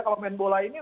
kalau main bola ini